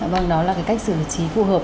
vâng đó là cái cách xử lý trí phù hợp